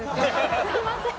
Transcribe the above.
すみません。